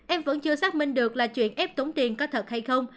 em vẫn chưa xác minh được là chuyện ép tống tiền có thật hay không